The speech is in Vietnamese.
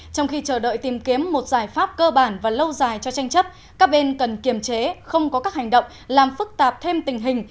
trong khi chờ đợi tìm kiếm một giải pháp cơ bản và lâu dài cho tranh chấp các bên cần kiềm chế không có các hành động làm phức tạp thêm tình hình